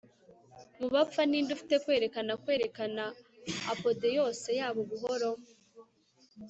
Mu bapfa ninde ufite kwerekana kwerekana apotheose yabo buhoro